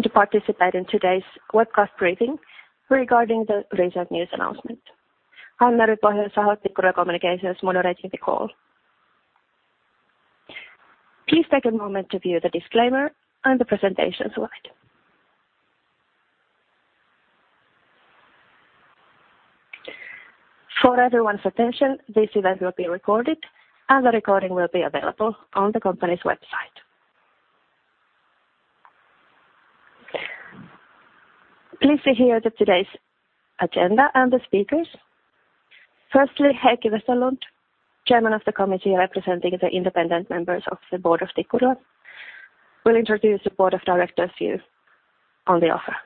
To participate in today's webcast briefing regarding the latest news announcement. I'm Mervi Pohjoisvirta, Head of Investor Relations and Communications, moderating the call. Please take a moment to view the disclaimer and the presentation slide. For everyone's attention, this event will be recorded, and the recording will be available on the company's website. Please see here today's agenda and the speakers. Firstly, Heikki Westerlund, Chairman of the Committee representing the independent members of the Board of Tikkurila, will introduce the Board of Directors' view on the offer.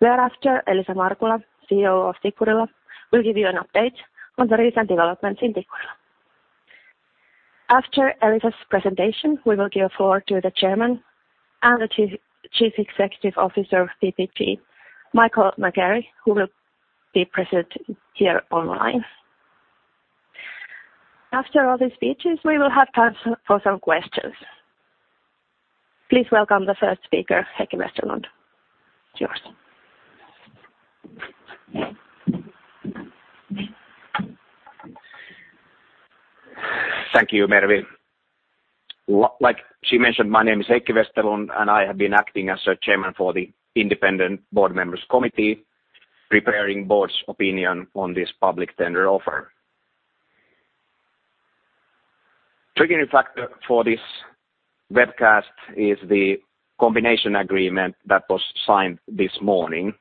Thereafter, Elisa Markula, CEO of Tikkurila, will give you an update on the recent developments in Tikkurila. After Elisa's presentation, we will give a floor to the Chairman and the Chief Executive Officer of PPG, Michael McGarry, who will be present here online. After all these speeches, we will have time for some questions. Please welcome the first speaker, Heikki Westerlund. It's yours. Thank you, Mervi. Like she mentioned, my name is Heikki Westerlund, and I have been acting as Chairman for the Independent Board Members Committee, preparing the Board's opinion on this public tender offer. The triggering factor for this webcast is the combination agreement that was signed this morning.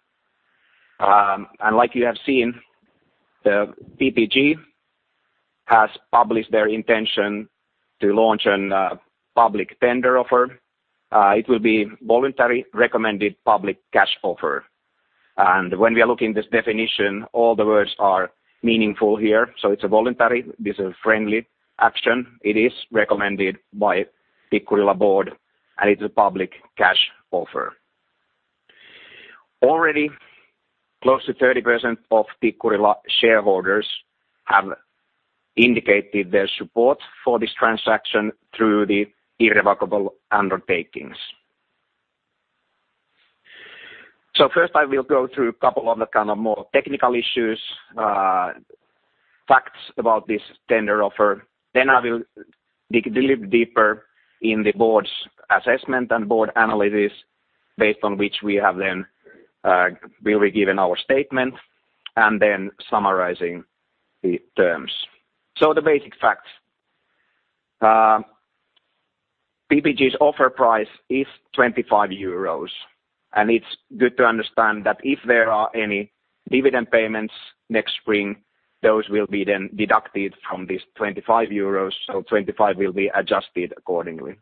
Like you have seen, the PPG has published their intention to launch a public tender offer. It will be a voluntary recommended public cash offer. When we are looking at this definition, all the words are meaningful here. It's a voluntary. This is a friendly action. It is recommended by the Tikkurila Board, and it is a public cash offer. Already, close to 30% of Tikkurila shareholders have indicated their support for this transaction through the irrevocable undertakings. First, I will go through a couple of the kind of more technical issues, facts about this tender offer. Then I will dig a little bit deeper in the board's assessment and board analysis, based on which we have then been given our statement, and then summarizing the terms. So the basic facts. PPG's offer price is 25 euros, and it's good to understand that if there are any dividend payments next spring, those will be then deducted from this 25 euros, so 25 will be adjusted accordingly.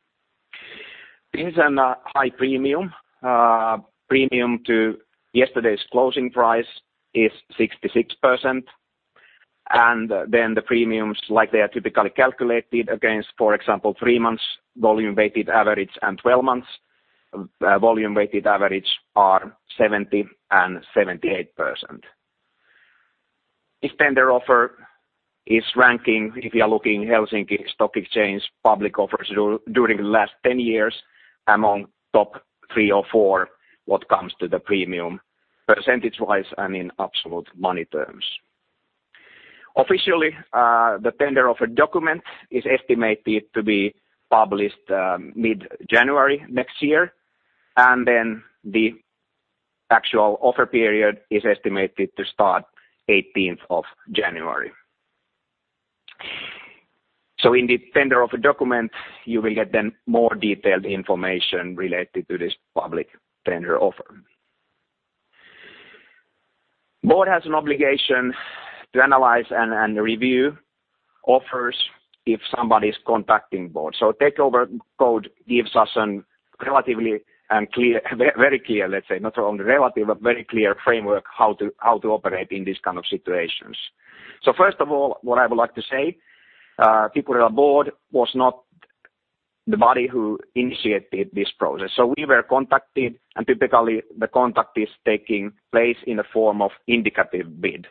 This is a high premium. Premium to yesterday's closing price is 66%, and then the premiums, like they are typically calculated against, for example, three months volume-weighted average and 12 months volume-weighted average are 70% and 78%. This tender offer is ranking, if you are looking at Helsinki Stock Exchange public offers during the last 10 years, among top three or four what comes to the premium, percentage-wise, I mean absolute money terms. Officially, the tender offer document is estimated to be published mid-January next year, and then the actual offer period is estimated to start 18th of January. So in the tender offer document, you will get then more detailed information related to this public tender offer. The board has an obligation to analyze and review offers if somebody is contacting the board. So Takeover Code gives us a relatively very clear, let's say, not only relative, but very clear framework how to operate in these kind of situations. So first of all, what I would like to say, the Tikkurila Board was not the body who initiated this process. So we were contacted, and typically the contact is taking place in the form of indicative bid.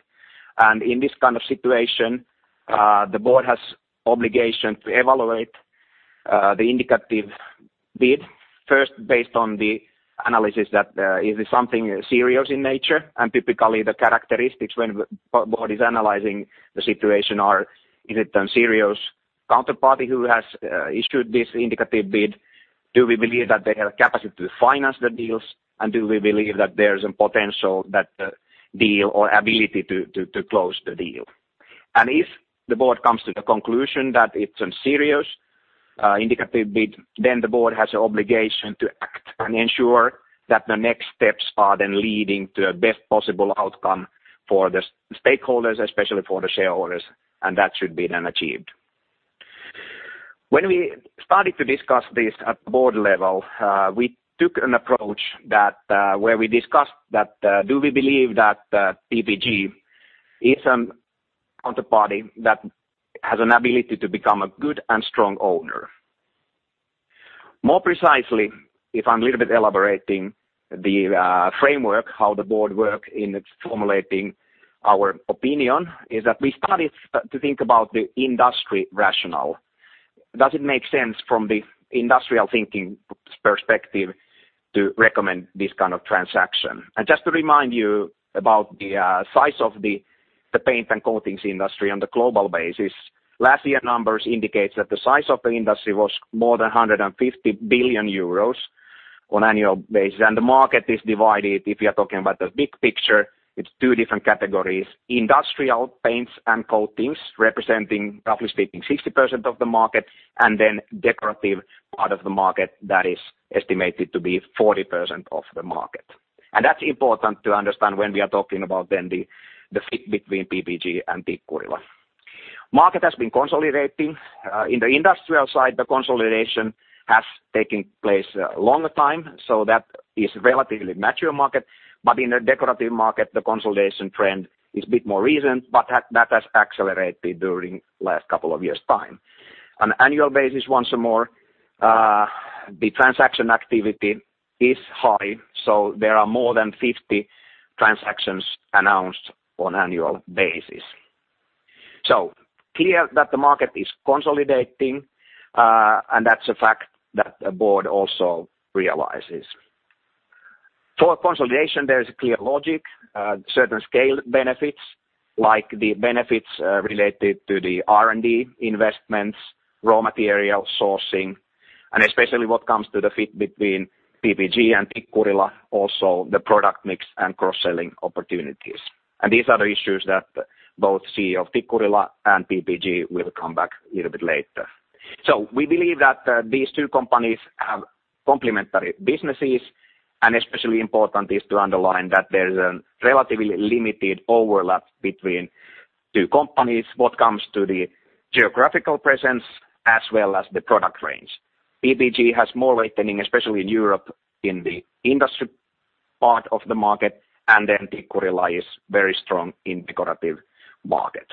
And in this kind of situation, the board has obligation to evaluate the indicative bid first based on the analysis that is it something serious in nature. Typically, the characteristics when the board is analyzing the situation are: is it a serious counterparty who has issued this indicative bid? Do we believe that they have capacity to finance the deals? And do we believe that there is a potential deal or ability to close the deal? And if the board comes to the conclusion that it's a serious indicative bid, then the board has an obligation to act and ensure that the next steps are then leading to a best possible outcome for the stakeholders, especially for the shareholders, and that should be then achieved. When we started to discuss this at the board level, we took an approach where we discussed that do we believe that PPG is a counterparty that has an ability to become a good and strong owner. More precisely, if I'm a little bit elaborating, the framework, how the board works in formulating our opinion, is that we started to think about the industry rationale. Does it make sense from the industrial thinking perspective to recommend this kind of transaction? And just to remind you about the size of the paint and coatings industry on the global basis, last year's numbers indicate that the size of the industry was more than 150 billion euros on an annual basis. And the market is divided, if you are talking about the big picture, into two different categories: industrial paints and coatings, representing, roughly speaking, 60% of the market, and then the decorative part of the market that is estimated to be 40% of the market. And that's important to understand when we are talking about then the fit between PPG and Tikkurila. The market has been consolidating. In the industrial side, the consolidation has taken place a long time, so that is a relatively mature market. But in the decorative market, the consolidation trend is a bit more recent, but that has accelerated during the last couple of years' time. On an annual basis, once more, the transaction activity is high, so there are more than 50 transactions announced on an annual basis. So clear that the market is consolidating, and that's a fact that the board also realizes. For consolidation, there is a clear logic, certain scale benefits, like the benefits related to the R&D investments, raw material sourcing, and especially when it comes to the fit between PPG and Tikkurila, also the product mix and cross-selling opportunities, and these are the issues that both CEO of Tikkurila and PPG will come back a little bit later, so we believe that these two companies have complementary businesses, and especially important is to underline that there is a relatively limited overlap between the two companies when it comes to the geographical presence as well as the product range. PPG has more weight, especially in Europe, in the industry part of the market, and then Tikkurila is very strong in the decorative market,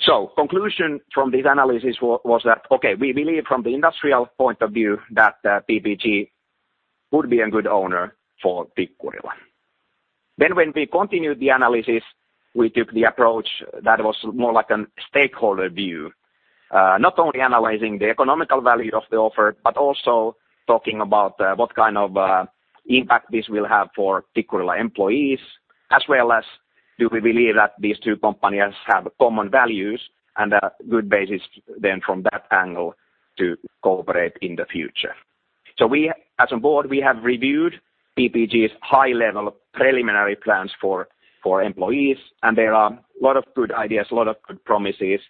so the conclusion from this analysis was that, okay, we believe from the industrial point of view that PPG would be a good owner for Tikkurila. Then when we continued the analysis, we took the approach that was more like a stakeholder view, not only analyzing the economical value of the offer, but also talking about what kind of impact this will have for Tikkurila employees, as well as do we believe that these two companies have common values and a good basis then from that angle to cooperate in the future. So we, as a board, have reviewed PPG's high-level preliminary plans for employees, and there are a lot of good ideas, a lot of good promises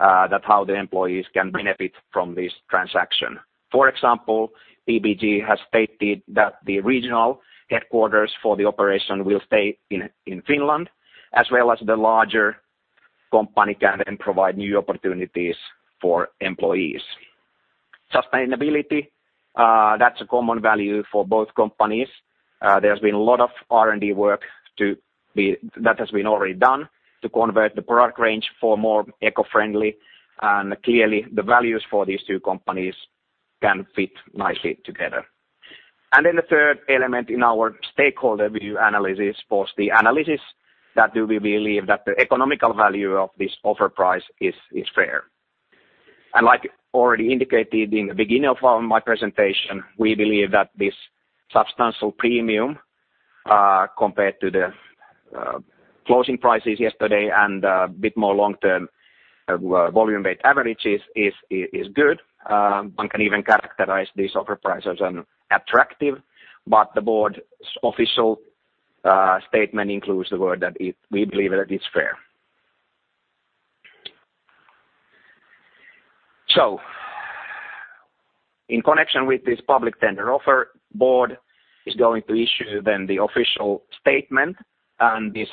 that how the employees can benefit from this transaction. For example, PPG has stated that the regional headquarters for the operation will stay in Finland, as well as the larger company can then provide new opportunities for employees. Sustainability, that's a common value for both companies. There has been a lot of R&D work that has been already done to convert the product range for more eco-friendly, and clearly the values for these two companies can fit nicely together, and then the third element in our stakeholder view analysis was the analysis that do we believe that the economical value of this offer price is fair, and like already indicated in the beginning of my presentation, we believe that this substantial premium compared to the closing prices yesterday and a bit more long-term volume-weighted averages is good. One can even characterize these offer prices as attractive, but the board's official statement includes the word that we believe that it's fair, so in connection with this public tender offer, the board is going to issue then the official statement, and this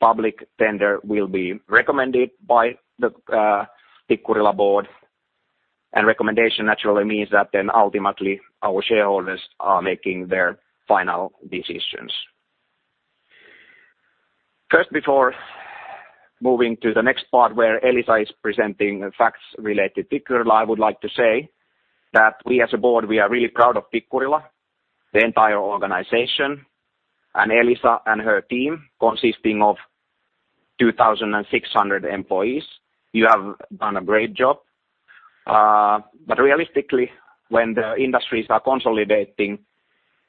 public tender will be recommended by the Tikkurila board. Recommendation naturally means that then ultimately our shareholders are making their final decisions. First, before moving to the next part where Elisa is presenting facts related to Tikkurila, I would like to say that we as a board, we are really proud of Tikkurila, the entire organization, and Elisa and her team consisting of 2,600 employees. You have done a great job. But realistically, when the industries are consolidating,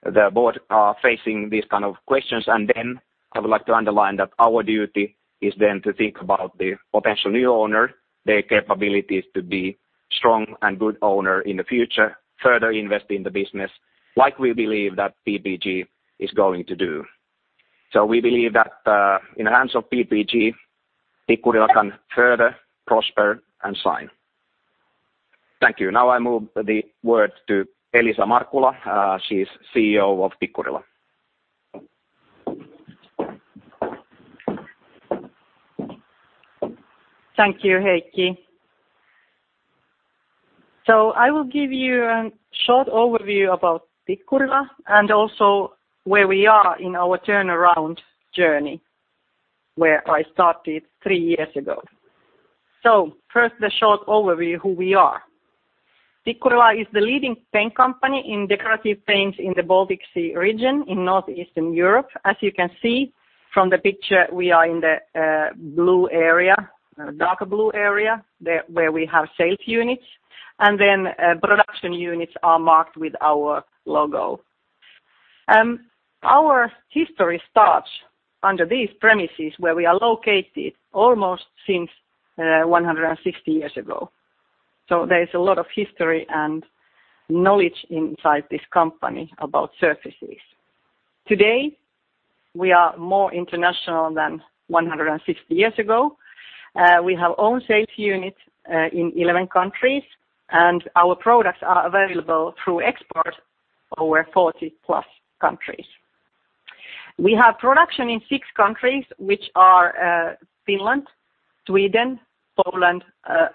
the board are facing these kind of questions, and then I would like to underline that our duty is then to think about the potential new owner, their capabilities to be a strong and good owner in the future, further invest in the business, like we believe that PPG is going to do. So we believe that in the hands of PPG, Tikkurila can further prosper and shine. Thank you. Now I move the word to Elisa Markula. She is CEO of Tikkurila. Thank you, Heikki. So I will give you a short overview about Tikkurila and also where we are in our turnaround journey, where I started three years ago. So first, the short overview of who we are. Tikkurila is the leading paint company in decorative paints in the Baltic Sea region in northeastern Europe. As you can see from the picture, we are in the blue area, a darker blue area, where we have sales units, and then production units are marked with our logo. Our history starts under these premises where we are located almost 160 years ago. So there is a lot of history and knowledge inside this company about surfaces. Today, we are more international than 150 years ago. We have own sales units in 11 countries, and our products are available through exports over 40 plus countries. We have production in six countries, which are Finland, Sweden, Poland,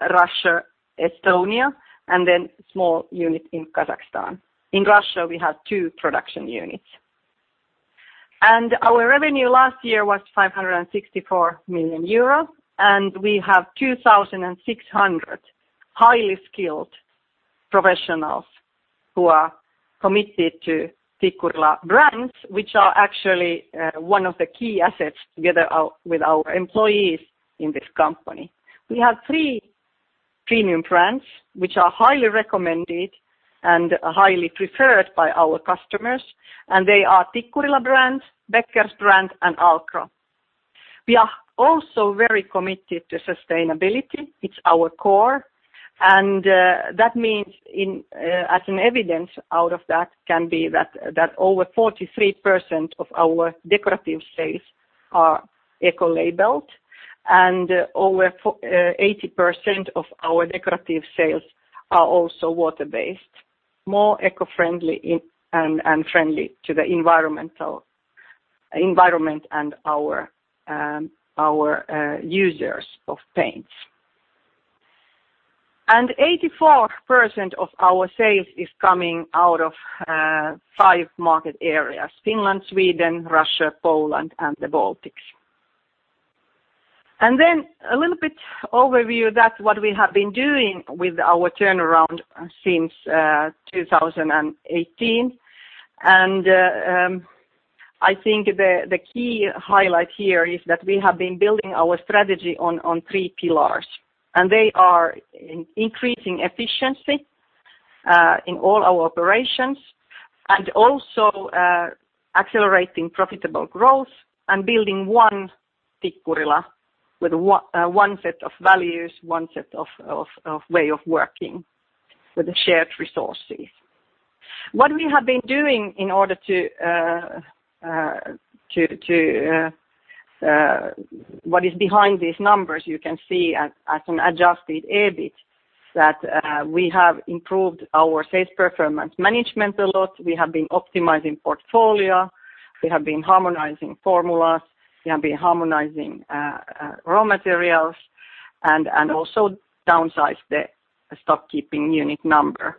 Russia, Estonia, and then a small unit in Kazakhstan. In Russia, we have two production units, and our revenue last year was 564 million euros, and we have 2,600 highly skilled professionals who are committed to Tikkurila brands, which are actually one of the key assets together with our employees in this company. We have three premium brands, which are highly recommended and highly preferred by our customers, and they are Tikkurila brand, Beckers brand, and Alcro. We are also very committed to sustainability. It's our core, and that means as an evidence out of that can be that over 43% of our decorative sales are eco-labeled, and over 80% of our decorative sales are also water-based, more eco-friendly and friendly to the environment and our users of paints. 84% of our sales is coming out of five market areas: Finland, Sweden, Russia, Poland, and the Baltics. Then a little bit overview of that, what we have been doing with our turnaround since 2018. I think the key highlight here is that we have been building our strategy on three pillars, and they are increasing efficiency in all our operations and also accelerating profitable growth and building One Tikkurila with one set of values, one set of ways of working with shared resources. What we have been doing in order to what is behind these numbers, you can see as an adjusted EBIT, that we have improved our sales performance management a lot. We have been optimizing portfolio. We have been harmonizing formulas. We have been harmonizing raw materials and also downsized the stock-keeping unit number,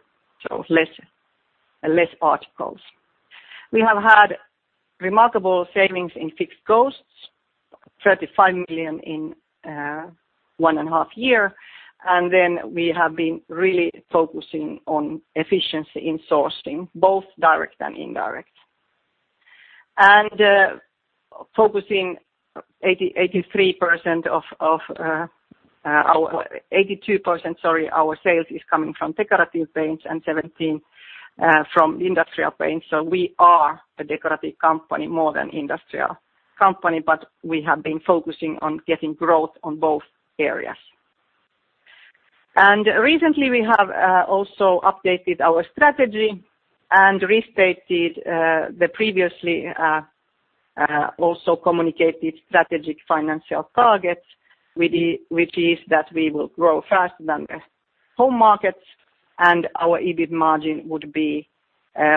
so less articles. We have had remarkable savings in fixed costs, 35 million in one and a half years, and then we have been really focusing on efficiency in sourcing, both direct and indirect, focusing 83% of our 82%, sorry, our sales is coming from decorative paints and 17% from industrial paints. We are a decorative company more than an industrial company, but we have been focusing on getting growth on both areas. Recently, we have also updated our strategy and restated the previously also communicated strategic financial targets, which is that we will grow faster than the home markets, and our EBIT margin would be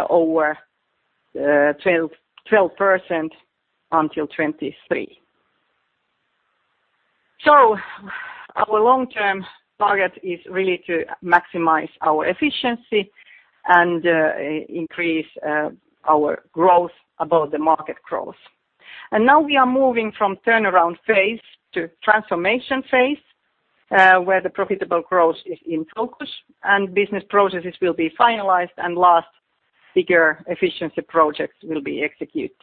over 12% until 2023. Our long-term target is really to maximize our efficiency and increase our growth above the market growth. And now we are moving from turnaround phase to transformation phase where the profitable growth is in focus, and business processes will be finalized, and last bigger efficiency projects will be executed.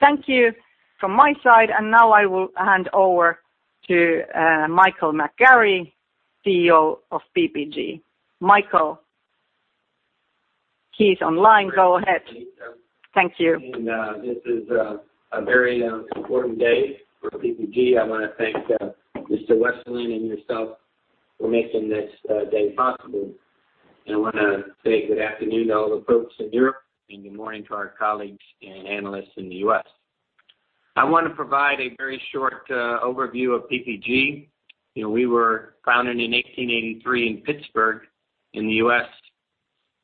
Thank you from my side, and now I will hand over to Michael McGarry, CEO of PPG. Michael, he's online. Go ahead. Thank you. This is a very important day for PPG. I want to thank Mr. Westerlund and yourself for making this day possible, and I want to say good afternoon to all the folks in Europe and good morning to our colleagues and analysts in the U.S. I want to provide a very short overview of PPG. We were founded in 1883 in Pittsburgh in the U.S.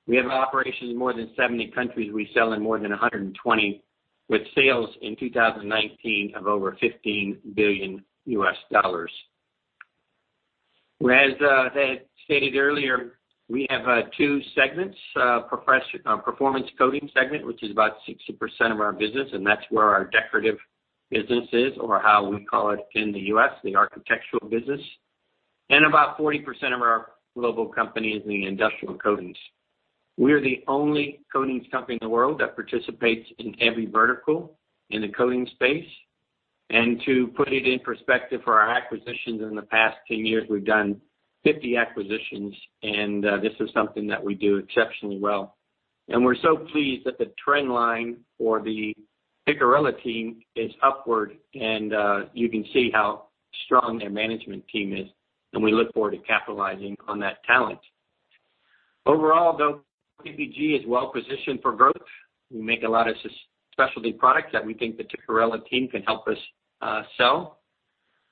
We have operations in more than 70 countries. We sell in more than 120, with sales in 2019 of over $15 billion. As I had stated earlier, we have two segments, a Performance Coatings segment, which is about 60% of our business, and that's where our decorative business is, or how we call it in the U.S., the architectural business, and about 40% of our global company is in the Industrial Coatings. We are the only coatings company in the world that participates in every vertical in the coating space. And to put it in perspective for our acquisitions in the past 10 years, we've done 50 acquisitions, and this is something that we do exceptionally well. And we're so pleased that the trend line for the Tikkurila team is upward, and you can see how strong their management team is, and we look forward to capitalizing on that talent. Overall, though, PPG is well positioned for growth. We make a lot of specialty products that we think the Tikkurila team can help us sell.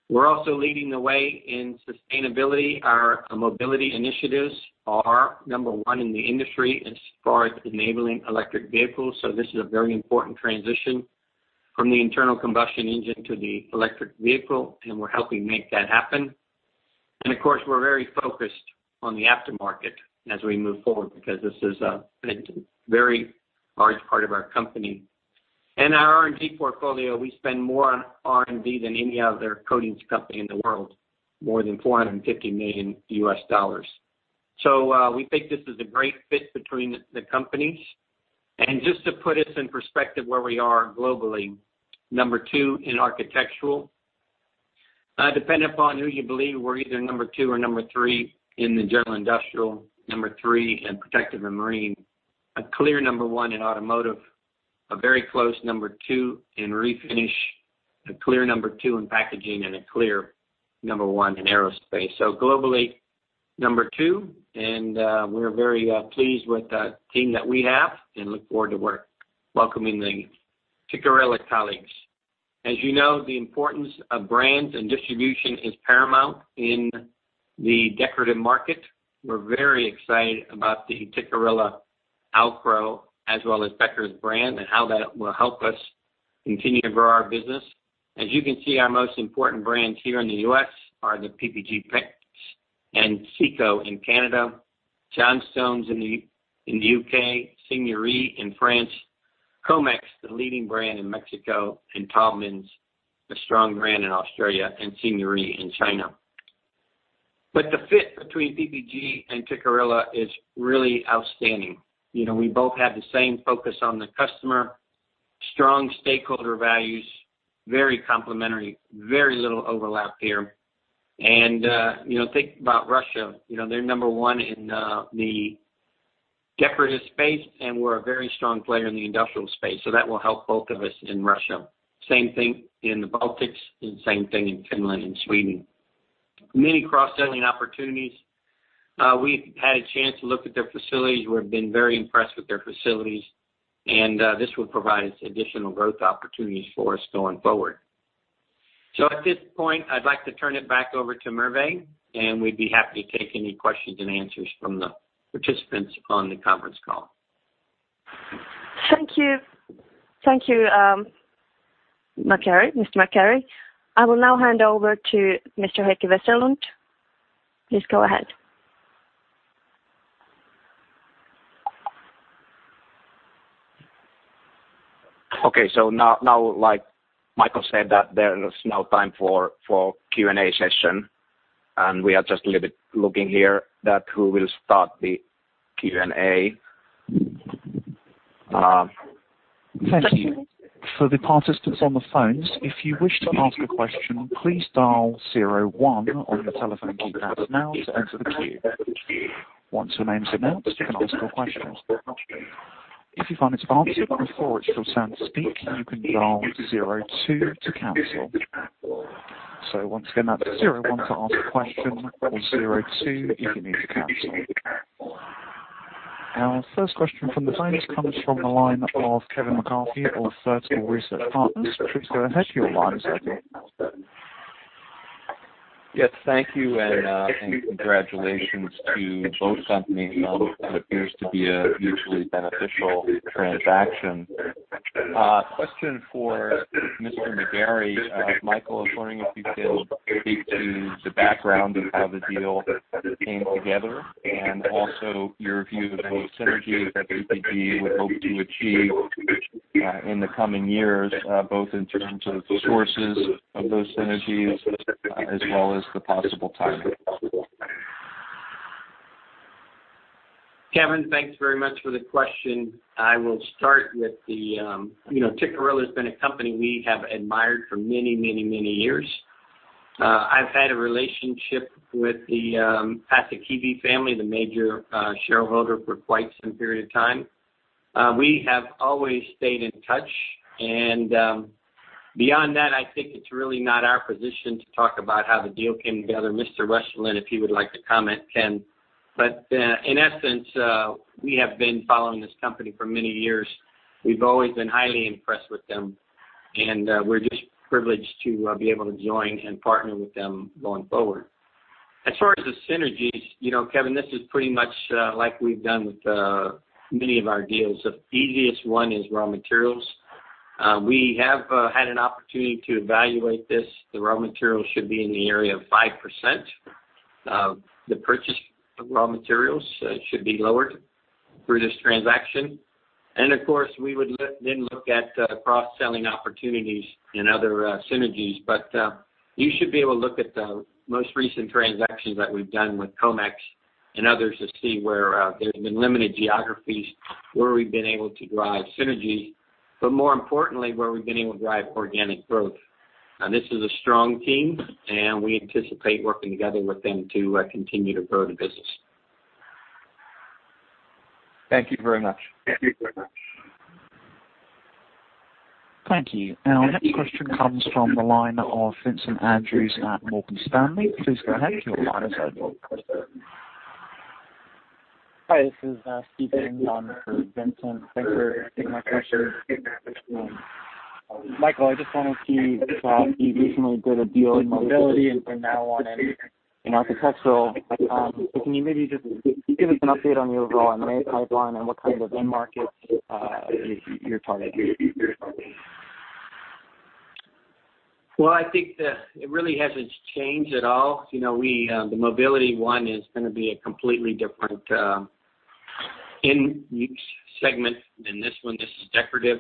We're also leading the way in sustainability. Our mobility initiatives are number one in the industry as far as enabling electric vehicles, so this is a very important transition from the internal combustion engine to the electric vehicle, and we're helping make that happen. And of course, we're very focused on the aftermarket as we move forward because this is a very large part of our company. In our R&D portfolio, we spend more on R&D than any other coatings company in the world, more than $450 million. So we think this is a great fit between the companies. And just to put us in perspective where we are globally, number two in architectural. Depending upon who you believe, we're either number two or number three in the general industrial, number three in protective and marine, a clear number one in automotive, a very close number two in refinish, a clear number two in packaging, and a clear number one in aerospace. So globally, number two, and we're very pleased with the team that we have and look forward to welcoming the Tikkurila colleagues. As you know, the importance of brands and distribution is paramount in the decorative market. We're very excited about the Tikkurila, Alcro as well as Beckers brand and how that will help us continue to grow our business. As you can see, our most important brands here in the U.S. are the PPG Paints and Sico in Canada, Johnstone's in the U.K., Seigneurie in France, Comex, the leading brand in Mexico, and Taubmans, a strong brand in Australia, and Seigneurie in China. But the fit between PPG and Tikkurila is really outstanding. We both have the same focus on the customer, strong stakeholder values, very complementary, very little overlap here. And think about Russia. They're number one in the decorative space, and we're a very strong player in the industrial space, so that will help both of us in Russia. Same thing in the Baltics and same thing in Finland and Sweden. Many cross-selling opportunities. We've had a chance to look at their facilities. We've been very impressed with their facilities, and this will provide us additional growth opportunities for us going forward. So at this point, I'd like to turn it back over to Mervi, and we'd be happy to take any questions and answers from the participants on the conference call. Thank you. Thank you, Mr. McGarry. I will now hand over to Mr. Heikki Westerlund. Please go ahead. Okay, so now, like Michael said, that there is no time for a Q&A session, and we are just a little bit looking here at who will start the Q&A. Thank you for the participants on the phones. If you wish to ask a question, please dial 01 on the telephone keypad now to enter the queue. Once your name is announced, you can ask a question. If you find it's answered before it's your turn to speak, you can dial 02 to cancel. So once again, that's 01 to ask a question or 02 if you need to cancel. Our first question from the phones comes from the line of Kevin McCarthy of Vertical Research Partners. Please go ahead. Your line is open. Yes. Thank you, and congratulations to both companies on what appears to be a mutually beneficial transaction. Question for Mr. McGarry. Michael, I was wondering if you can speak to the background of how the deal came together and also your view of the synergy that PPG would hope to achieve in the coming years, both in terms of sources of those synergies as well as the possible timing. Kevin, thanks very much for the question. I will start with the Tikkurila has been a company we have admired for many, many, many years. I've had a relationship with the Paasikivi family, the major shareholder, for quite some period of time. We have always stayed in touch, and beyond that, I think it's really not our position to talk about how the deal came together. Mr. Westerlund, if you would like to comment, can. But in essence, we have been following this company for many years. We've always been highly impressed with them, and we're just privileged to be able to join and partner with them going forward. As far as the synergies, Kevin, this is pretty much like we've done with many of our deals. The easiest one is raw materials. We have had an opportunity to evaluate this. The raw materials should be in the area of 5%. The purchase of raw materials should be lowered through this transaction, and of course, we would then look at cross-selling opportunities and other synergies, but you should be able to look at the most recent transactions that we've done with Comex and others to see where there's been limited geographies, where we've been able to drive synergies, but more importantly, where we've been able to drive organic growth. This is a strong team, and we anticipate working together with them to continue to grow the business. Thank you very much. Thank you. Our next question comes from the line of Vincent Andrews at Morgan Stanley. Please go ahead. Your line is open. Hi. This is Stephen for Vincent. Thanks for taking my question. Michael, I just wanted to ask you, you recently did a deal in mobility, and from now on in architectural. So can you maybe just give us an update on your overall M&A pipeline and what kind of end markets you're targeting? I think it really hasn't changed at all. The mobility one is going to be a completely different segment than this one. This is decorative.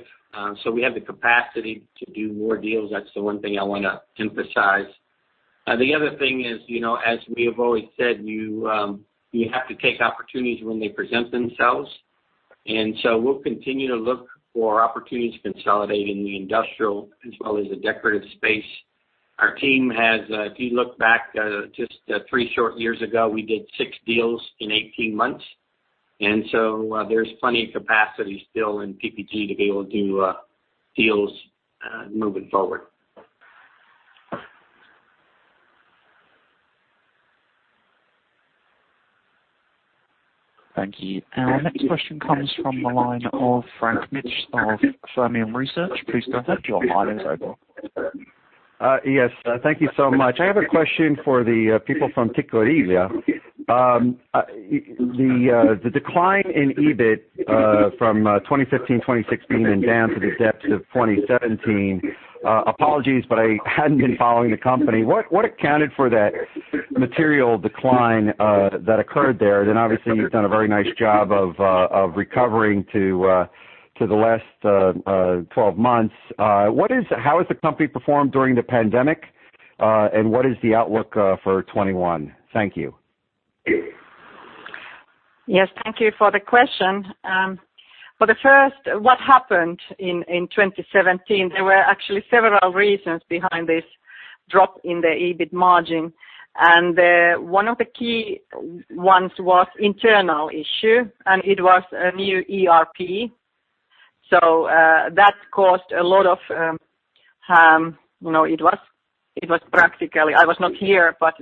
We have the capacity to do more deals. That's the one thing I want to emphasize. The other thing is, as we have always said, you have to take opportunities when they present themselves. We'll continue to look for opportunities to consolidate in the industrial as well as the decorative space. Our team has, if you look back just three short years ago, we did six deals in 18 months. There's plenty of capacity still in PPG to be able to do deals moving forward. Thank you. Our next question comes from the line of Frank Mitsch of Fermium Research. Please go ahead. Your line is open. Yes. Thank you so much. I have a question for the people from Tikkurila. The decline in EBIT from 2015, 2016 and down to the depths of 2017. Apologies, but I hadn't been following the company. What accounted for that material decline that occurred there? Then obviously, you've done a very nice job of recovering to the last 12 months. How has the company performed during the pandemic, and what is the outlook for 2021? Thank you. Yes. Thank you for the question. For the first, what happened in 2017, there were actually several reasons behind this drop in the EBIT margin, and one of the key ones was internal issue, and it was a new ERP. So that caused a lot of it, it was practically - I was not here, but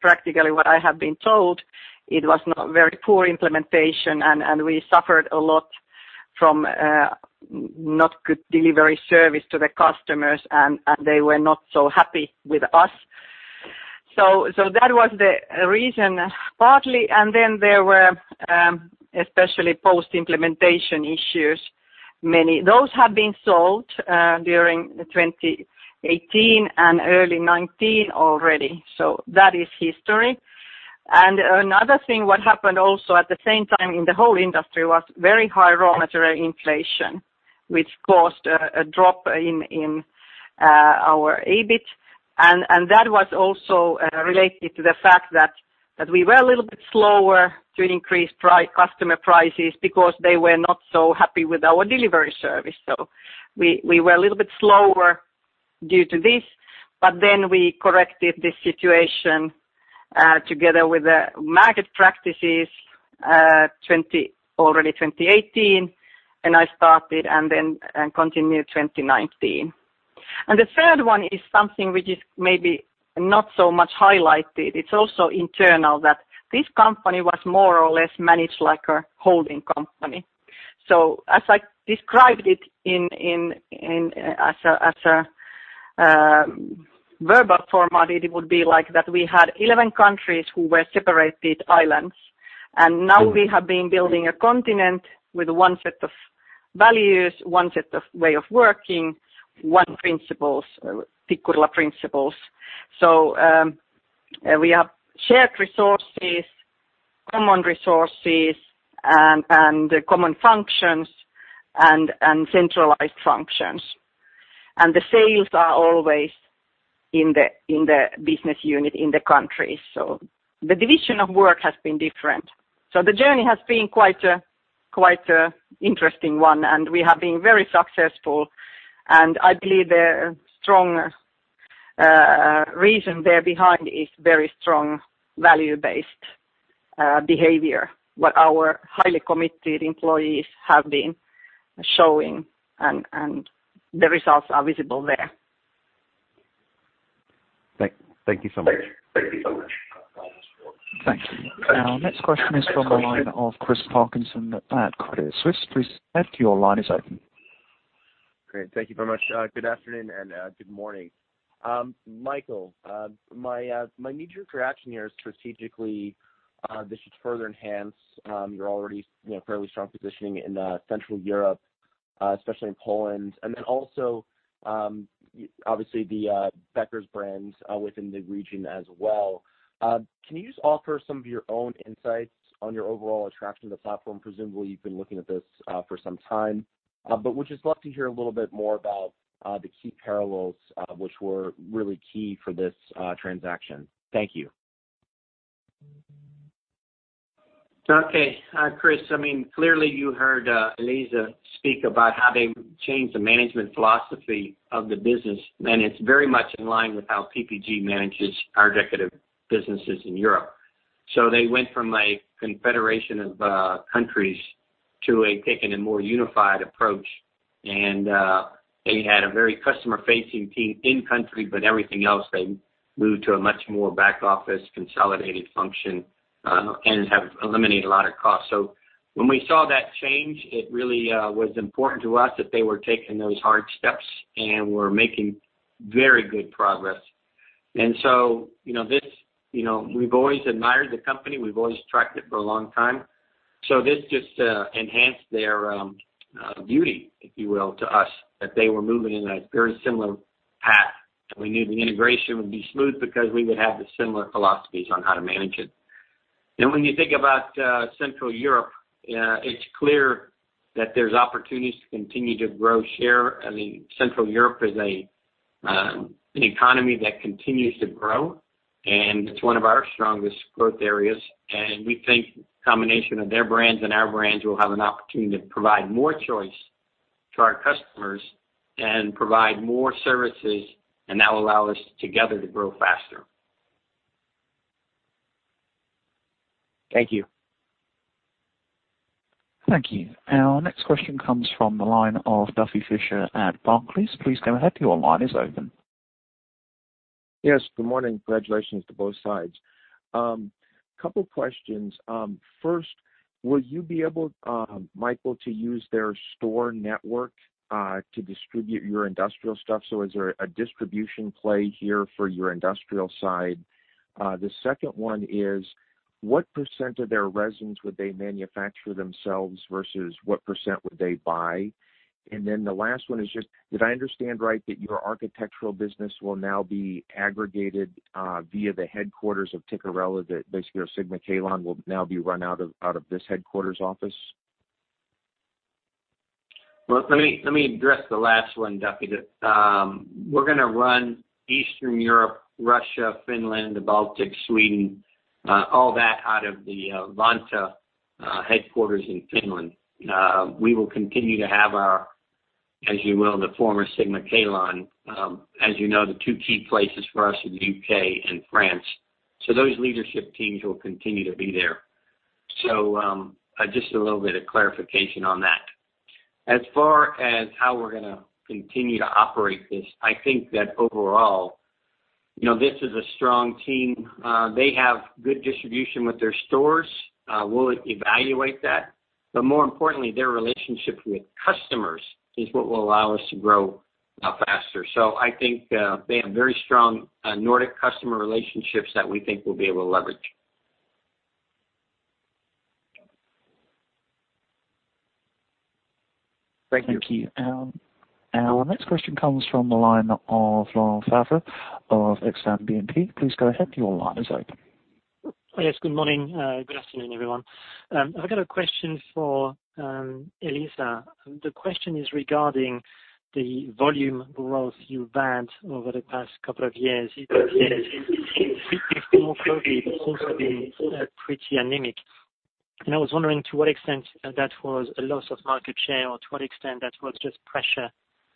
practically what I have been told, it was very poor implementation, and we suffered a lot from not good delivery service to the customers, and they were not so happy with us. So that was the reason, partly, and then there were especially post-implementation issues. Those have been solved during 2018 and early 2019 already. So that is history, and another thing, what happened also at the same time in the whole industry was very high raw material inflation, which caused a drop in our EBIT. And that was also related to the fact that we were a little bit slower to increase customer prices because they were not so happy with our delivery service. So we were a little bit slower due to this. But then we corrected this situation together with the market practices already 2018, and I started and then continued 2019. And the third one is something which is maybe not so much highlighted. It's also internal that this company was more or less managed like a holding company. So as I described it as a verbal format, it would be like that we had 11 countries who were separated islands. And now we have been building a continent with one set of values, one set of way of working, one principles, Tikkurila principles. So we have shared resources, common resources, and common functions, and centralized functions. And the sales are always in the business unit in the countries. So the division of work has been different. So the journey has been quite an interesting one, and we have been very successful. And I believe the strong reason there behind is very strong value-based behavior, what our highly committed employees have been showing, and the results are visible there. Thank you so much. Thank you so much. Thank you. Our next question is from the line of Chris Parkinson at Credit Suisse. Please go ahead. Your line is open. Great. Thank you very much. Good afternoon and good morning. Michael, my knee-jerk reaction here is strategically this should further enhance your already fairly strong positioning in Central Europe, especially in Poland, and then also, obviously, the Beckers brand within the region as well. Can you just offer some of your own insights on your overall attraction to the platform? Presumably, you've been looking at this for some time, but would just love to hear a little bit more about the key parallels which were really key for this transaction. Thank you. Okay. Chris, I mean, clearly, you heard Elisa speak about how they changed the management philosophy of the business, and it's very much in line with how PPG manages our decorative businesses in Europe. So they went from a confederation of countries to taking a more unified approach, and they had a very customer-facing team in-country, but everything else, they moved to a much more back-office consolidated function and have eliminated a lot of costs. So when we saw that change, it really was important to us that they were taking those hard steps and were making very good progress, and so we've always admired the company. We've always tracked it for a long time. So this just enhanced their beauty, if you will, to us, that they were moving in a very similar path. We knew the integration would be smooth because we would have the similar philosophies on how to manage it. When you think about Central Europe, it's clear that there's opportunities to continue to grow share. I mean, Central Europe is an economy that continues to grow, and it's one of our strongest growth areas. We think the combination of their brands and our brands will have an opportunity to provide more choice to our customers and provide more services, and that will allow us together to grow faster. Thank you. Thank you. Our next question comes from the line of Duffy Fischer at Barclays. Please go ahead. Your line is open. Yes. Good morning. Congratulations to both sides. A couple of questions. First, will you be able, Michael, to use their store network to distribute your industrial stuff? So is there a distribution play here for your industrial side? The second one is, what % of their resins would they manufacture themselves versus what % would they buy? And then the last one is just, did I understand right that your architectural business will now be aggregated via the headquarters of Tikkurila, that basically your SigmaKalon will now be run out of this headquarters office? Let me address the last one, Duffy. We're going to run Eastern Europe, Russia, Finland, the Baltics, Sweden, all that out of the Vantaa headquarters in Finland. We will continue to have our, as you will, the former SigmaKalon, as you know, the two key places for us are the UK and France. So those leadership teams will continue to be there. So just a little bit of clarification on that. As far as how we're going to continue to operate this, I think that overall, this is a strong team. They have good distribution with their stores. We'll evaluate that. But more importantly, their relationship with customers is what will allow us to grow faster. So I think they have very strong Nordic customer relationships that we think we'll be able to leverage. Thank you. Thank you. Our next question comes from the line of Laurent Favre of Exane BNP Paribas. Please go ahead. Your line is open. Hi. Yes. Good morning. Good afternoon, everyone. I've got a question for Elisa. The question is regarding the volume growth you've had over the past couple of years. Since before COVID, it seems to have been pretty anemic, and I was wondering to what extent that was a loss of market share or to what extent that was just pressure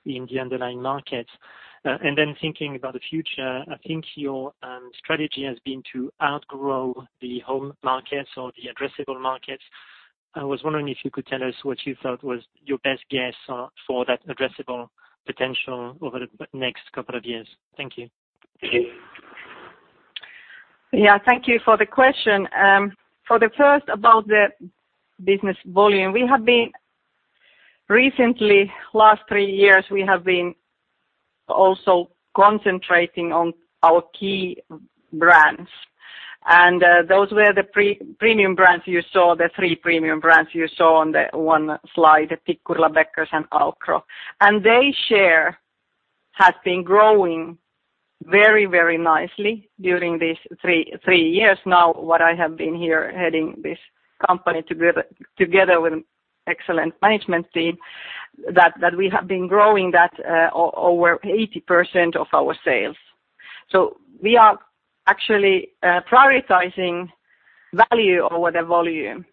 in the underlying markets. And then thinking about the future, I think your strategy has been to outgrow the home markets or the addressable markets. I was wondering if you could tell us what you thought was your best guess for that addressable potential over the next couple of years. Thank you. Yeah. Thank you for the question. For the first, about the business volume, we have been recently, last three years, we have been also concentrating on our key brands. And those were the premium brands you saw, the three premium brands you saw on the one slide, Tikkurila, Beckers, and Alcro. And their share has been growing very, very nicely during these three years. Now, what I have been here heading this company together with an excellent management team, that we have been growing that over 80% of our sales. So we are actually prioritizing value over the volume.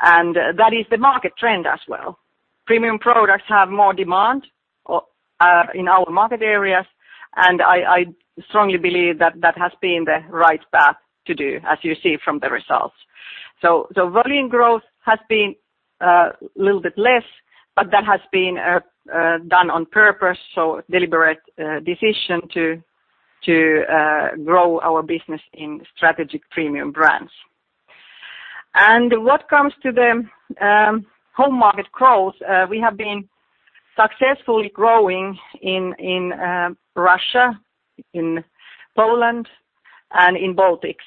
And that is the market trend as well. Premium products have more demand in our market areas, and I strongly believe that that has been the right path to do, as you see from the results. So volume growth has been a little bit less, but that has been done on purpose, so a deliberate decision to grow our business in strategic premium brands. And what comes to the home market growth, we have been successfully growing in Russia, in Poland, and in Baltics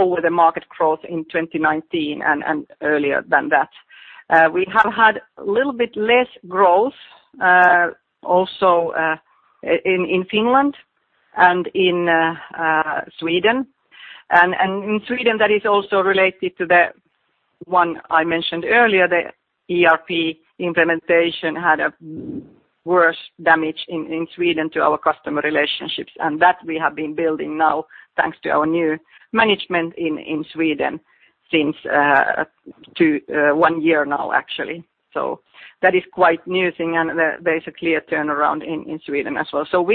over the market growth in 2019 and earlier than that. We have had a little bit less growth also in Finland and in Sweden. And in Sweden, that is also related to the one I mentioned earlier, the ERP implementation had a worse damage in Sweden to our customer relationships. And that we have been building now thanks to our new management in Sweden since one year now, actually. So that is quite new thing and basically a turnaround in Sweden as well. So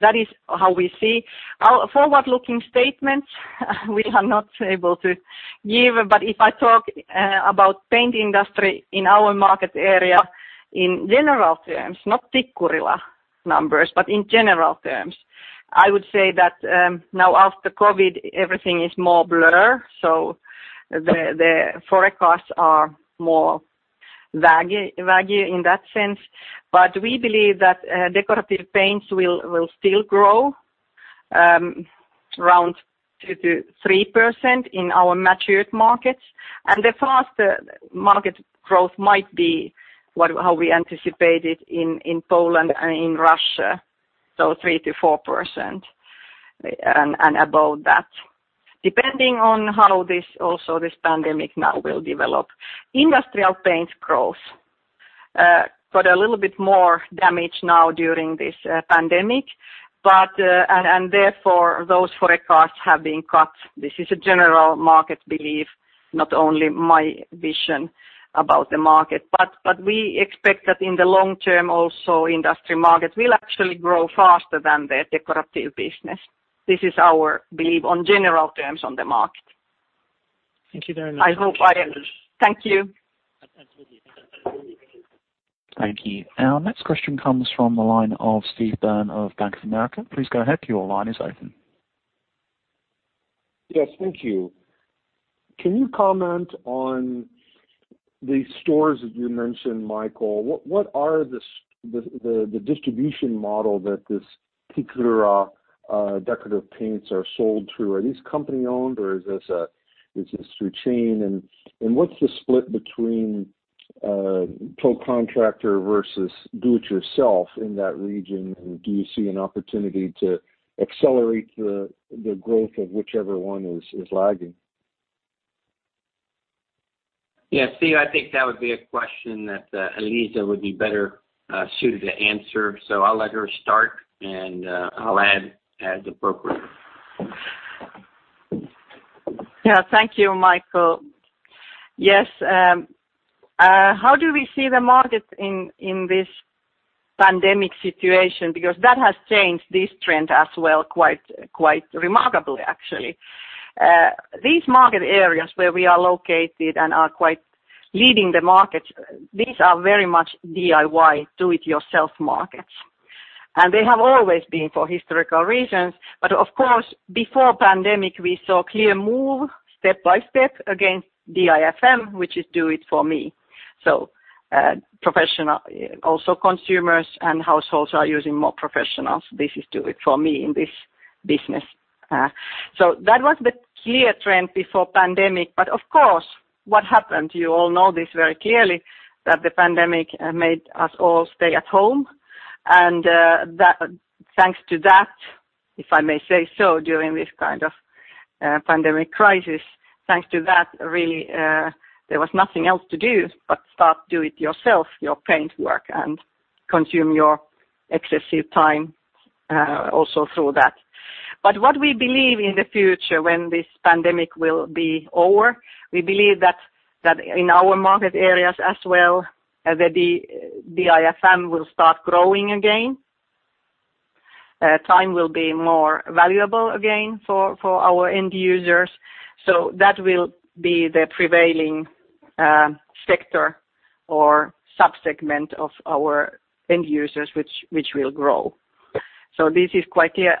that is how we see. Forward-looking statements, we are not able to give. But if I talk about the paint industry in our market area in general terms, not Tikkurila numbers, but in general terms, I would say that now after COVID, everything is more blurred. So the forecasts are more vague in that sense. But we believe that decorative paints will still grow around 2%-3% in our mature markets. And the fast market growth might be how we anticipate it in Poland and in Russia, so 3%-4% and above that, depending on how also this pandemic now will develop. Industrial paint growth got a little bit more damage now during this pandemic, and therefore those forecasts have been cut. This is a general market belief, not only my vision about the market. But we expect that in the long term, also industrial market will actually grow faster than the decorative business. This is our belief on general terms on the market. Thank you very much. I hope I am. Thank you. Absolutely. Thank you. Thank you. Our next question comes from the line of Steve Byrne of Bank of America. Please go ahead. Your line is open. Yes. Thank you. Can you comment on the stores that you mentioned, Michael? What are the distribution model that these Tikkurila decorative paints are sold to? Are these company-owned or is this through chain? And what's the split between pro contractor versus do-it-yourself in that region? And do you see an opportunity to accelerate the growth of whichever one is lagging? Yes. Steve, I think that would be a question that Elisa would be better suited to answer. So I'll let her start, and I'll add as appropriate. Yeah. Thank you, Michael. Yes. How do we see the market in this pandemic situation? Because that has changed this trend as well quite remarkably, actually. These market areas where we are located and are quite leading the markets, these are very much DIY, do-it-yourself markets, and they have always been for historical reasons. But of course, before pandemic, we saw a clear move step by step against DIFM, which is do-it-for-me. So professional, also consumers and households are using more professionals. This is do-it-for-me in this business. So that was the clear trend before pandemic, but of course, what happened? You all know this very clearly, that the pandemic made us all stay at home. Thanks to that, if I may say so, during this kind of pandemic crisis, thanks to that, really, there was nothing else to do but start do-it-yourself your paint work, and consume your excessive time also through that. What we believe in the future when this pandemic will be over, we believe that in our market areas as well, the DIFM will start growing again. Time will be more valuable again for our end users. That will be the prevailing sector or subsegment of our end users which will grow. This is quite clear.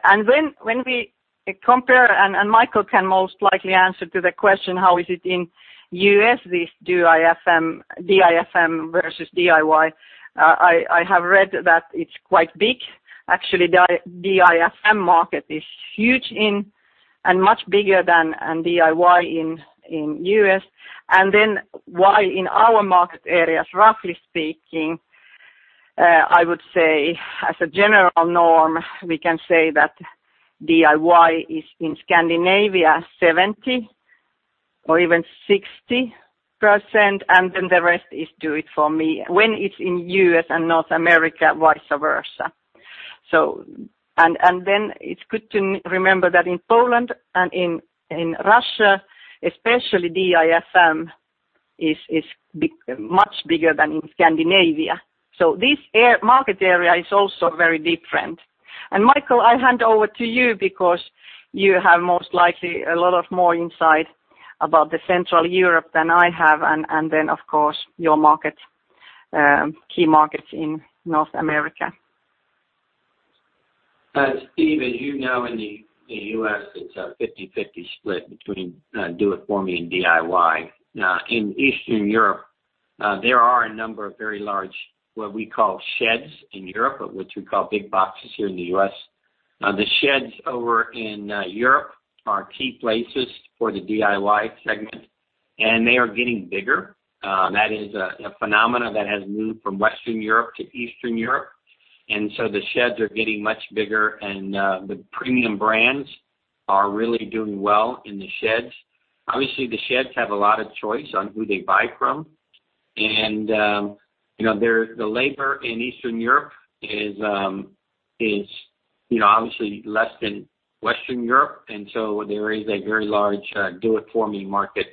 When we compare, and Michael can most likely answer to the question, how is it in the US, this DIFM versus DIY? I have read that it's quite big. Actually, the DIFM market is huge and much bigger than DIY in the US. And then, while in our market areas, roughly speaking, I would say as a general norm, we can say that DIY is in Scandinavia 70% or even 60%, and then the rest is do-it-for-me when it's in the US and North America vice versa. And then, it's good to remember that in Poland and in Russia, especially DIFM is much bigger than in Scandinavia. So this market area is also very different. And Michael, I hand over to you because you have most likely a lot more insight about Central Europe than I have, and then, of course, your key markets in North America. Steve, as you know, in the U.S., it's a 50/50 split between do-it-for-me and DIY. In Eastern Europe, there are a number of very large what we call sheds in Europe, which we call big boxes here in the U.S. The sheds over in Europe are key places for the DIY segment, and they are getting bigger. That is a phenomenon that has moved from Western Europe to Eastern Europe, and so the sheds are getting much bigger, and the premium brands are really doing well in the sheds. Obviously, the sheds have a lot of choice on who they buy from, and the labor in Eastern Europe is obviously less than Western Europe, and so there is a very large do-it-for-me market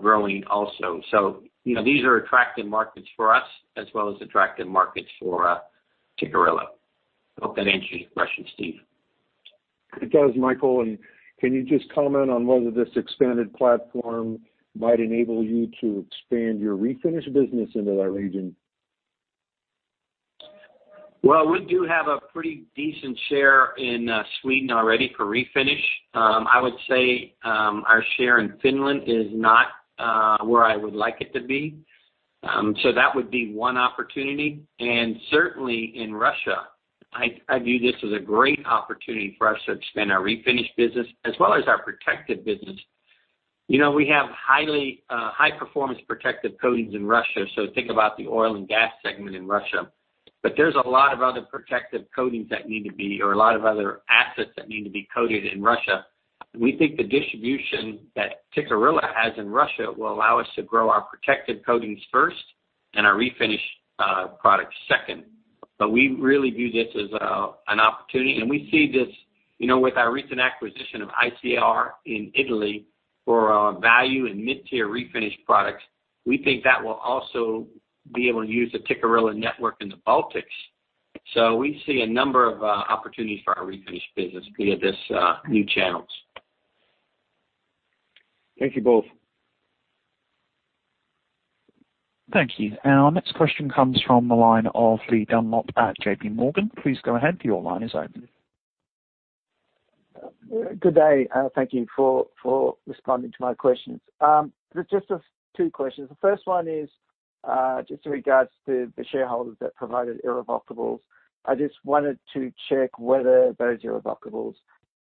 growing also, so these are attractive markets for us as well as attractive markets for Tikkurila. I hope that answers your question, Steve. It does, Michael. Can you just comment on whether this expanded platform might enable you to expand your refinish business into that region? We do have a pretty decent share in Sweden already for refinish. I would say our share in Finland is not where I would like it to be. So that would be one opportunity. And certainly in Russia, I view this as a great opportunity for us to expand our refinish business as well as our protective business. We have high-performance protective coatings in Russia. So think about the oil and gas segment in Russia. But there's a lot of other protective coatings that need to be or a lot of other assets that need to be coated in Russia. We think the distribution that Tikkurila has in Russia will allow us to grow our protective coatings first and our refinish products second. But we really view this as an opportunity. And we see this with our recent acquisition of ICR in Italy for value in mid-tier refinish products. We think that will also be able to use the Tikkurila network in the Baltics. So we see a number of opportunities for our refinish business via these new channels. Thank you both. Thank you. Our next question comes from the line of Lee Dunlop at J.P. Morgan. Please go ahead. Your line is open. Good day. Thank you for responding to my questions. Just two questions. The first one is just in regards to the shareholders that provided irrevocables. I just wanted to check whether those irrevocables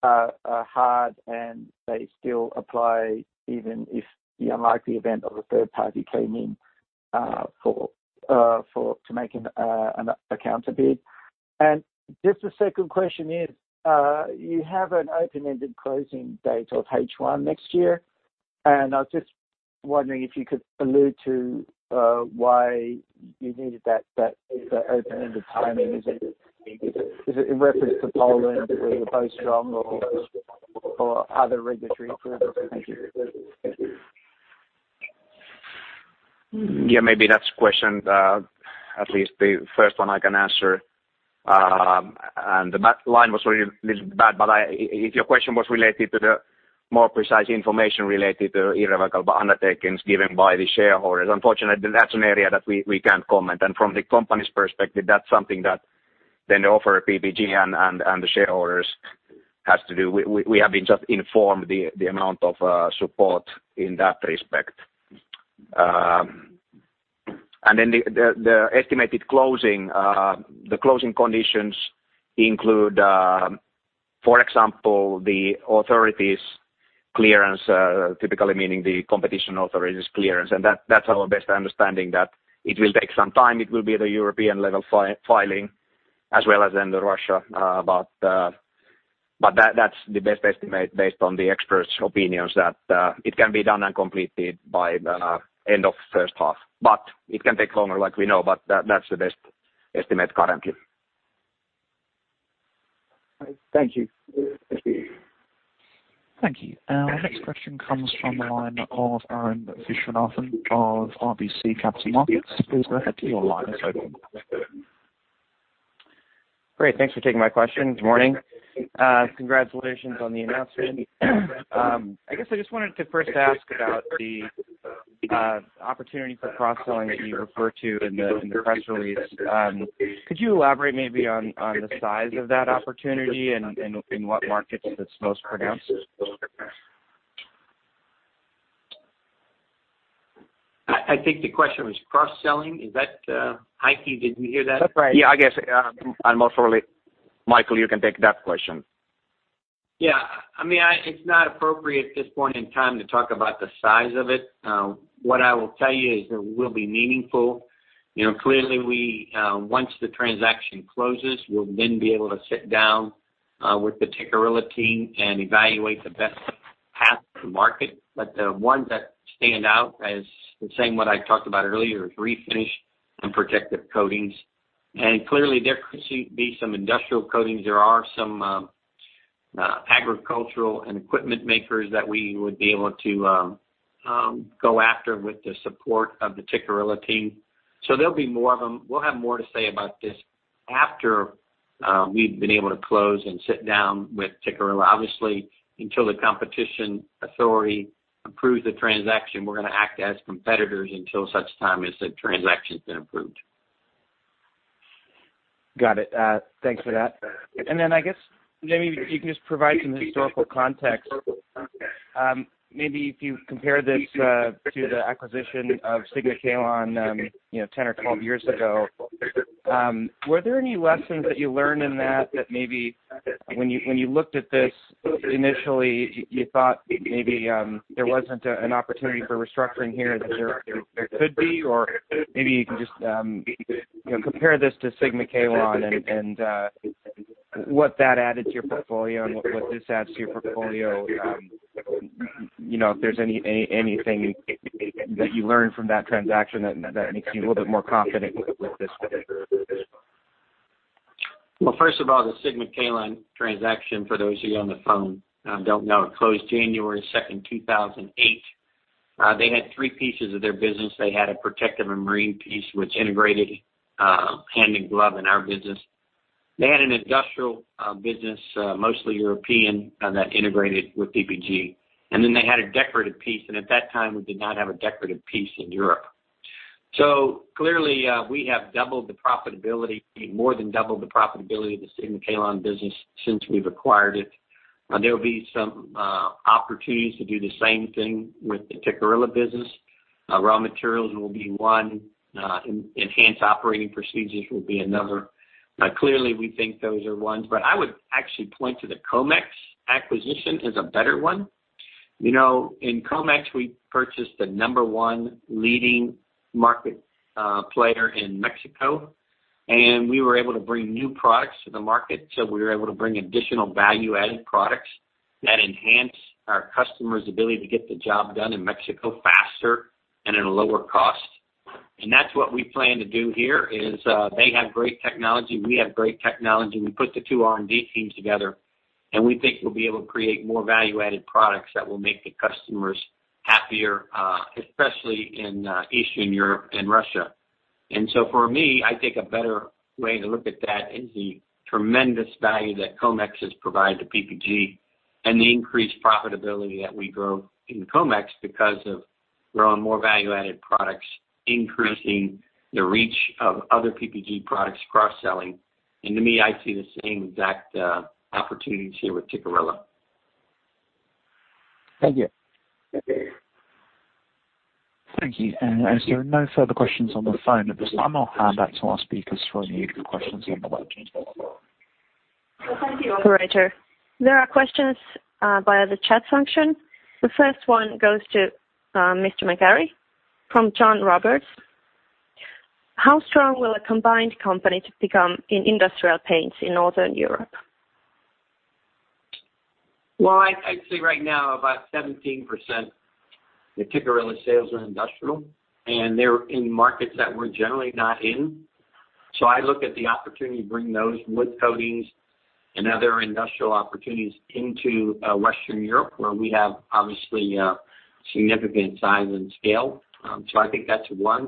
are hard and they still apply even if, in the event of a third party coming in to make an offer for it. And just the second question is, you have an open-ended closing date of H1 next year. And I was just wondering if you could allude to why you needed that open-ended timing. Is it in reference to Poland where you're both strong or other regulatory approvals? Thank you. Yeah. Maybe that's a question, at least the first one I can answer. And the line was a little bad, but if your question was related to the more precise information related to irrevocable undertakings given by the shareholders, unfortunately, that's an area that we can't comment. And from the company's perspective, that's something that then the offer of PPG and the shareholders has to do. We have been just informed of the amount of support in that respect. And then the estimated closing, the closing conditions include, for example, the authorities' clearance, typically meaning the competition authorities' clearance. And that's our best understanding that it will take some time. It will be at a European level filing as well as in Russia. But that's the best estimate based on the experts' opinions that it can be done and completed by the end of the first half. But it can take longer, like we know, but that's the best estimate currently. Thank you. Thank you. Our next question comes from the line of Arun Viswanathan of RBC Capital Markets. Please go ahead. Your line is open. Great. Thanks for taking my question. Good morning. Congratulations on the announcement. I guess I just wanted to first ask about the opportunity for cross-selling that you refer to in the press release. Could you elaborate maybe on the size of that opportunity and in what markets it's most pronounced? I think the question was cross-selling. Is that Heikki? Did you hear that? That's right. Yeah. I guess I'm more for Michael. You can take that question. Yeah. I mean, it's not appropriate at this point in time to talk about the size of it. What I will tell you is it will be meaningful. Clearly, once the transaction closes, we'll then be able to sit down with the Tikkurila team and evaluate the best path to market. But the ones that stand out, as the same one I talked about earlier, is refinish and protective coatings. And clearly, there could be some Industrial Coatings. There are some agricultural and equipment makers that we would be able to go after with the support of the Tikkurila team. So there'll be more of them. We'll have more to say about this after we've been able to close and sit down with Tikkurila. Obviously, until the competition authority approves the transaction, we're going to act as competitors until such time as the transaction's been approved. Got it. Thanks for that. And then I guess, maybe you can just provide some historical context. Maybe if you compare this to the acquisition of SigmaKalon 10 or 12 years ago, were there any lessons that you learned in that that maybe when you looked at this initially, you thought maybe there wasn't an opportunity for restructuring here that there could be? Or maybe you can just compare this to SigmaKalon and what that added to your portfolio and what this adds to your portfolio, if there's anything that you learned from that transaction that makes you a little bit more confident with this one? First of all, the SigmaKalon transaction, for those of you on the phone don't know, closed January 2nd, 2008. They had three pieces of their business. They had a protective and marine piece, which integrated hand in glove in our business. They had an industrial business, mostly European, that integrated with PPG. And then they had a decorative piece. And at that time, we did not have a decorative piece in Europe. So clearly, we have doubled the profitability, more than doubled the profitability of the SigmaKalon business since we've acquired it. There will be some opportunities to do the same thing with the Tikkurila business. Raw materials will be one. Enhanced operating procedures will be another. Clearly, we think those are ones. But I would actually point to the Comex acquisition as a better one. In Comex, we purchased the number one leading market player in Mexico. And we were able to bring new products to the market. So we were able to bring additional value-added products that enhance our customer's ability to get the job done in Mexico faster and at a lower cost. And that's what we plan to do here is they have great technology. We have great technology. We put the two R&D teams together. And we think we'll be able to create more value-added products that will make the customers happier, especially in Eastern Europe and Russia. And so for me, I think a better way to look at that is the tremendous value that Comex has provided to PPG and the increased profitability that we grow in Comex because of growing more value-added products, increasing the reach of other PPG products cross-selling. And to me, I see the same exact opportunities here with Tikkurila. Thank you. Thank you, and as there are no further questions on the phone at this time, I'll hand back to our speakers for any questions on the web. All right, sir. There are questions via the chat function. The first one goes to Mr. McGarry from John Roberts. How strong will a combined company become in industrial paints in Northern Europe? I'd say right now about 17%. The Tikkurila sales are industrial, and they're in markets that we're generally not in. So I look at the opportunity to bring those wood coatings and other industrial opportunities into Western Europe, where we have obviously significant size and scale. So I think that's one.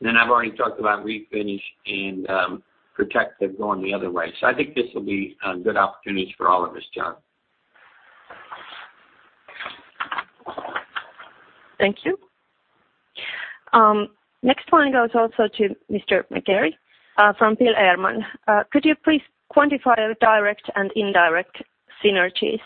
And then I've already talked about refinish and protective going the other way. So I think this will be good opportunities for all of us, John. Thank you. Next one goes also to Mr. McGarry from Bill Ehrman. Could you please quantify direct and indirect synergies?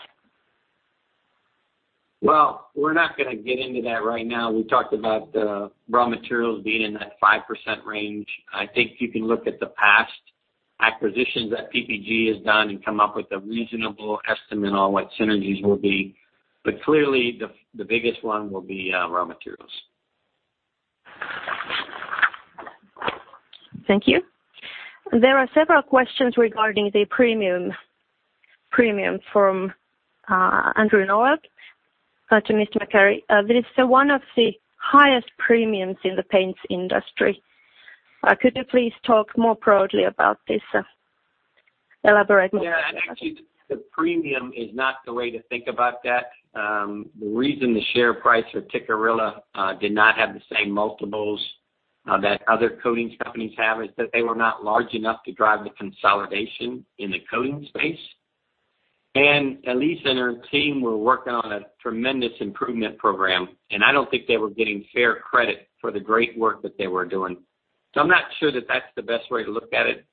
We're not going to get into that right now. We talked about the raw materials being in that 5% range. I think you can look at the past acquisitions that PPG has done and come up with a reasonable estimate on what synergies will be. But clearly, the biggest one will be raw materials. Thank you. There are several questions regarding the premium from Andrew Norwood to Mr. McGarry. This is one of the highest premiums in the paints industry. Could you please talk more broadly about this? Elaborate more broadly. Yeah. Actually, the premium is not the way to think about that. The reason the share price for Tikkurila did not have the same multiples that other coatings companies have is that they were not large enough to drive the consolidation in the coatings space. And Elisa and her team were working on a tremendous improvement program. And I don't think they were getting fair credit for the great work that they were doing. So I'm not sure that that's the best way to look at it.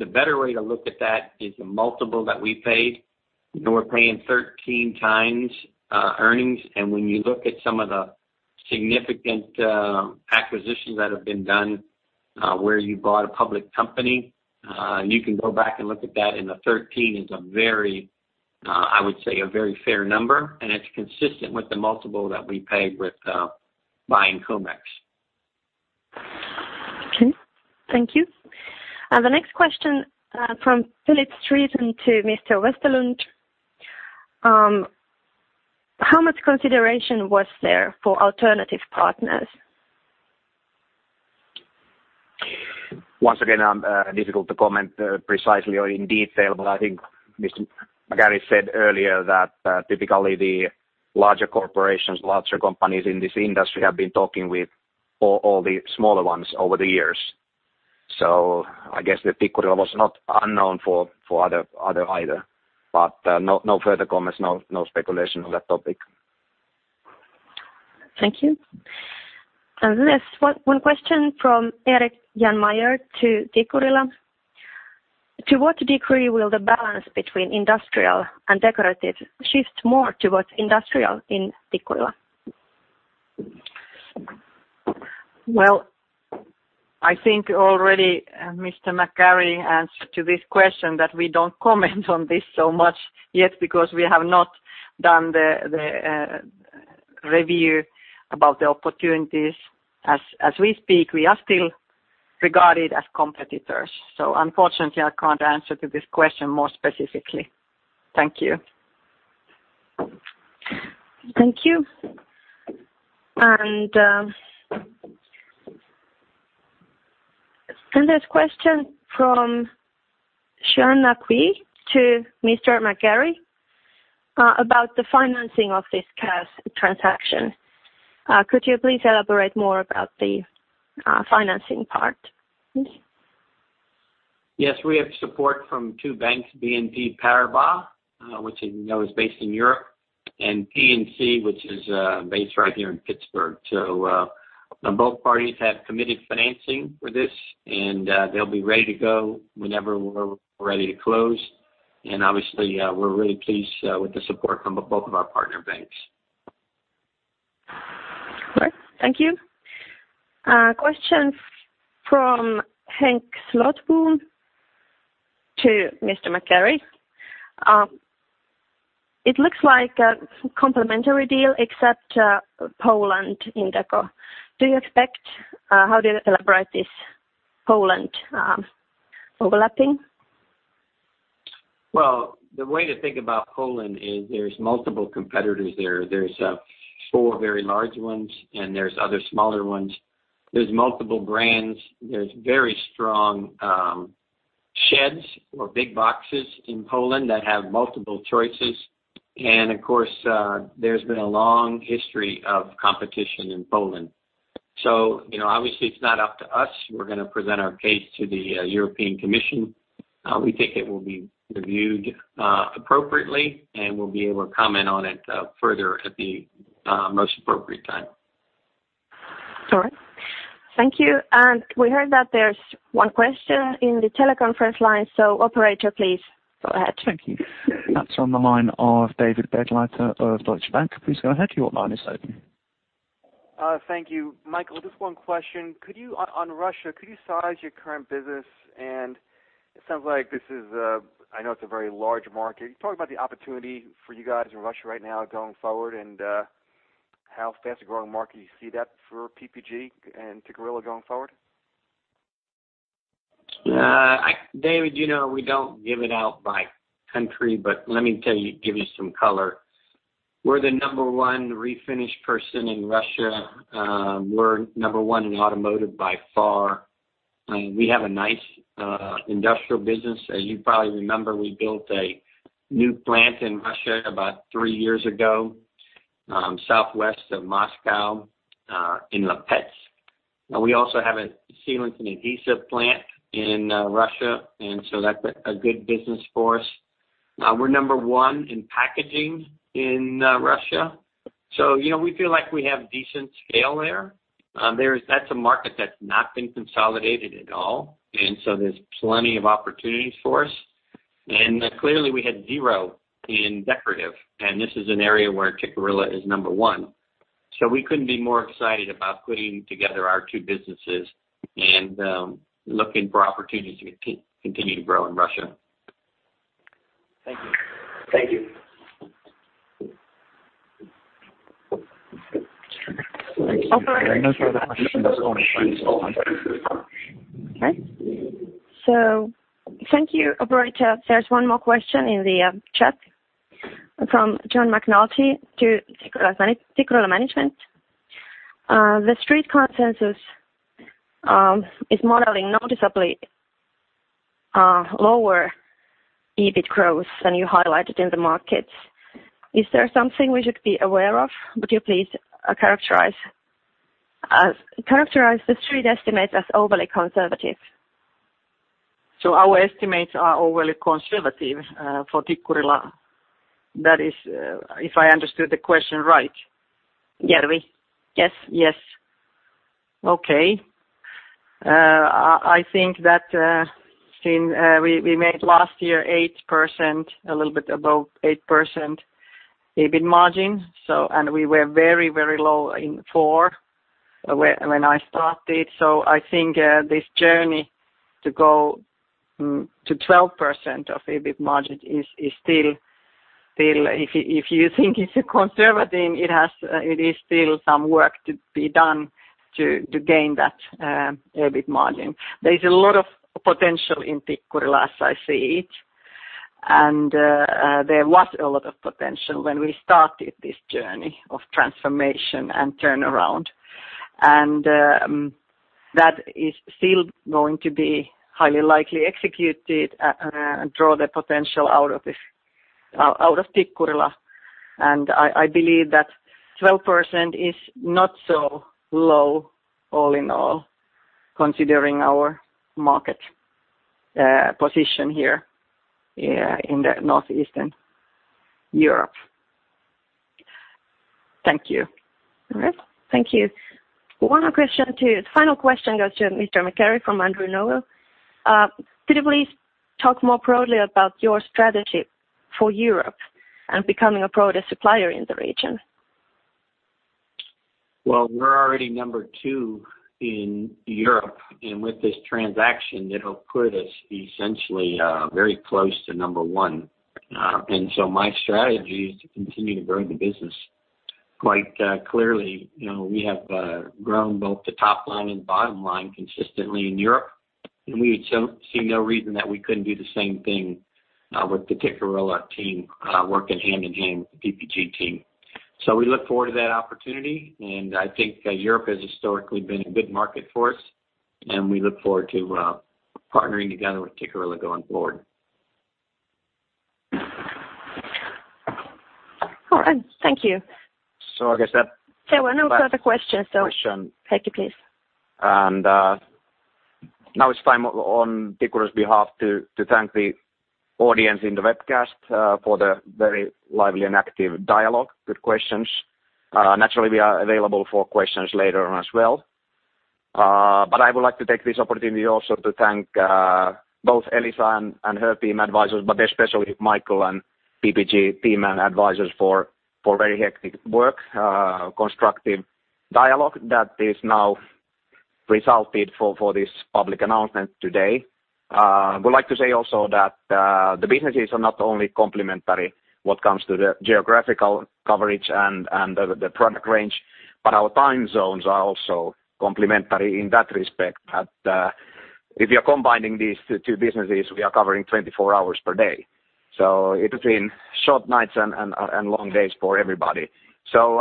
The better way to look at that is the multiple that we paid. We're paying 13 times earnings. And when you look at some of the significant acquisitions that have been done where you bought a public company, you can go back and look at that. And the 13 is a very, I would say, a very fair number. It's consistent with the multiple that we paid with buying Comex. Okay. Thank you. The next question from Philip Streeten to Mr. Westerlund. How much consideration was there for alternative partners? Once again, difficult to comment precisely or in detail, but I think Mr. McGarry said earlier that typically the larger corporations, larger companies in this industry have been talking with all the smaller ones over the years. So I guess the Tikkurila was not unknown for other either. But no further comments, no speculation on that topic. Thank you. And the next one question from Erik Jännäri to Tikkurila. To what degree will the balance between industrial and decorative shift more towards industrial in Tikkurila? Well, I think already Mr. McGarry answered to this question that we don't comment on this so much yet because we have not done the review about the opportunities. As we speak, we are still regarded as competitors. So unfortunately, I can't answer to this question more specifically. Thank you. Thank you. And the next question from Cian O'Keeffe to Mr. McGarry about the financing of this transaction. Could you please elaborate more about the financing part? Yes. We have support from two banks, BNP Paribas, which is based in Europe, and PNC, which is based right here in Pittsburgh. So both parties have committed financing for this. And they'll be ready to go whenever we're ready to close. And obviously, we're really pleased with the support from both of our partner banks. All right. Thank you. Question from Henk Slotboom to Mr. McGarry. It looks like a complementary deal, except Poland in Deco. Do you expect how do you elaborate this Poland overlapping? The way to think about Poland is there's multiple competitors there. There's four very large ones, and there's other smaller ones. There's multiple brands. There's very strong sheds or big boxes in Poland that have multiple choices. And of course, there's been a long history of competition in Poland. So obviously, it's not up to us. We're going to present our case to the European Commission. We think it will be reviewed appropriately, and we'll be able to comment on it further at the most appropriate time. All right. Thank you. And we heard that there's one question in the teleconference line. So operator, please go ahead. Thank you. That's on the line of David Begleiter of Deutsche Bank. Please go ahead. Your line is open. Thank you. Michael, just one question. On Russia, could you size your current business? And it sounds like this is, I know it's a very large market. Can you talk about the opportunity for you guys in Russia right now going forward and how fast a growing market you see that for PPG and Tikkurila going forward? David, we don't give it out by country, but let me give you some color. We're the number one refinish player in Russia. We're number one in automotive by far. We have a nice industrial business. As you probably remember, we built a new plant in Russia about three years ago, southwest of Moscow in Lipetsk. We also have a sealants and adhesive plant in Russia. And so that's a good business for us. We're number one in packaging in Russia. So we feel like we have decent scale there. That's a market that's not been consolidated at all. And so there's plenty of opportunities for us. And clearly, we had zero in decorative. And this is an area where Tikkurila is number one. So we couldn't be more excited about putting together our two businesses and looking for opportunities to continue to grow in Russia. Thank you. Thank you. All right. No further questions. Okay. So thank you, operator. There's one more question in the chat from John McNulty to Tikkurila Management. The Street consensus is modeling noticeably lower EBIT growth than you highlighted in the markets. Is there something we should be aware of? Would you please characterize the Street estimates as overly conservative? Our estimates are overly conservative for Tikkurila. That is, if I understood the question right. Yes. Yes. Yes. Okay. I think that we made last year 8%, a little bit above 8% EBIT margin. And we were very, very low in 4% when I started. So I think this journey to go to 12% of EBIT margin is still if you think it's a conservative, it is still some work to be done to gain that EBIT margin. There is a lot of potential in Tikkurila as I see it. And there was a lot of potential when we started this journey of transformation and turnaround. And that is still going to be highly likely executed and draw the potential out of Tikkurila. And I believe that 12% is not so low all in all, considering our market position here in the Northeastern Europe. Thank you. All right. Thank you. One more question too. Final question goes to Mr. McGarry from Andrew Norwood. Could you please talk more broadly about your strategy for Europe and becoming a broader supplier in the region? We're already number two in Europe. With this transaction, it'll put us essentially very close to number one. My strategy is to continue to grow the business. Quite clearly, we have grown both the top line and bottom line consistently in Europe. We see no reason that we couldn't do the same thing with the Tikkurila team working hand in hand with the PPG team. We look forward to that opportunity. I think Europe has historically been a good market for us. We look forward to partnering together with Tikkurila going forward. All right. Thank you. I guess that. There were no further questions. Question. Thank you, please. Now it's time on Tikkurila's behalf to thank the audience in the webcast for the very lively and active dialogue, good questions. Naturally, we are available for questions later on as well. But I would like to take this opportunity also to thank both Elisa and her team advisors, but especially Michael and PPG team advisors for very hectic work, constructive dialogue that has now resulted for this public announcement today. I would like to say also that the businesses are not only complementary when it comes to the geographical coverage and the product range, but our time zones are also complementary in that respect that if you're combining these two businesses, we are covering 24 hours per day. So it has been short nights and long days for everybody. So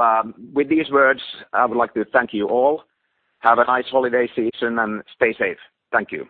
with these words, I would like to thank you all. Have a nice holiday season and stay safe. Thank you.